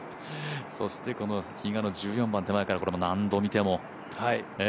そして比嘉の１４番、手前からこれは何度見ても。